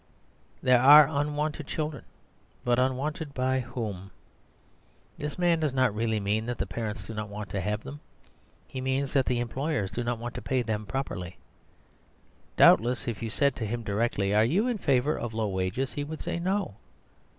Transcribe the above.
There are unwanted children; but unwanted by whom? This man does not really mean that the parents do not want to have them. He means that the employers do not want to pay them properly. Doubtless, if you said to him directly, "Are you in favour of low wages?" he would say, "No."